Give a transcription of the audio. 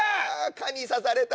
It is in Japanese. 蚊に刺された。